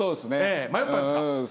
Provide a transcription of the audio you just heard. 迷ったんですか？